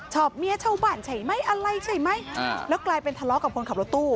เมียชาวบ้านใช่ไหมอะไรใช่ไหมแล้วกลายเป็นทะเลาะกับคนขับรถตู้